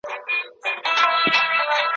پرېږده دا کیسه اوس د اورنګ خبري نه کوو